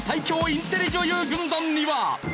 インテリ女優軍団には。